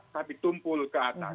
tapi tumpul ke atas